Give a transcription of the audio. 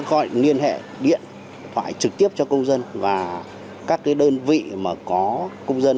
chúng tôi đã gọi liên hệ điện thoại trực tiếp cho công dân và các đơn vị mà có công dân